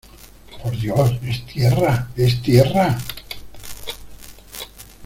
¡ por Dios, es tierra , es tierra!